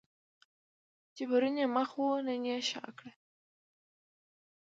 چې پرون یې مخ وو نن یې شا کړه.